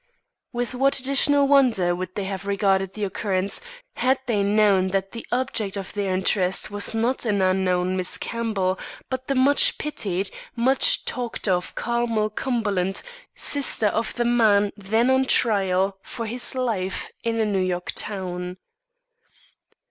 With what additional wonder would they have regarded the occurrence, had they known that the object of their interest was not an unknown Miss Campbell, but the much pitied, much talked of Carmel Cumberland, sister of the man then on trial for his life in a New York town.